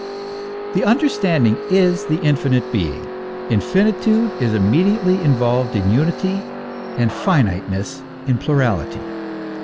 The understanding is the infinite being. Infinitude is immediately involved in unity, and finiteness in plurality.